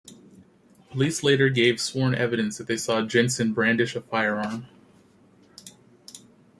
Police later gave sworn evidence that they saw Jensen brandish a firearm.